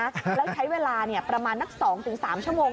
แล้วใช้เวลาประมาณนัก๒๓ชั่วโมง